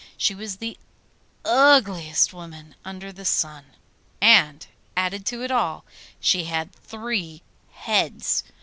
She was the ugliest woman under the sun, and, added to it all, she had three heads.